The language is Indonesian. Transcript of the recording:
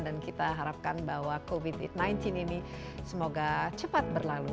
kita harapkan bahwa covid sembilan belas ini semoga cepat berlalu